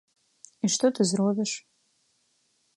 І што ты зробіш?